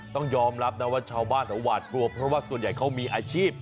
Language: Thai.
ต้องยอมรับนะว่าชาวบ้านหวาดกลัวเพราะว่าส่วนใหญ่เขามีอาชีพ